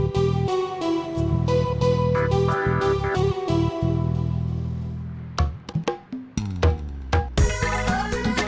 tasik tasik tasik